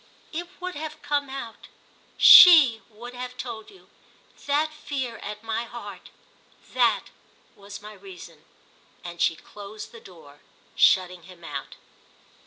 "It would have come out—_she _would have told you. That fear at my heart—that was my reason!" And she closed the door, shutting him out.